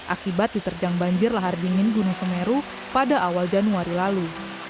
akibat diterjang banjir lahar dingin gunung semeru pada awal januari lalu